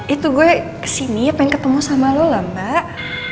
itu gue ke sini pengen ketemu sama lo lah mbak